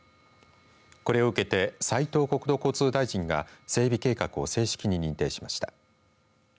これを受けて斉藤国土交通大臣が整備計画を正式に認定しました。